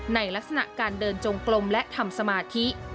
ในลักษณะการเดินจงกลมและทำสมาธิ